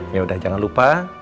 yaudah jangan lupa